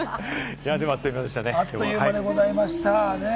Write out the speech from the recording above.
あっという間でございました。